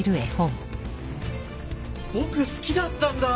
僕好きだったんだ。